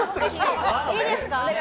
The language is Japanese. いいですか？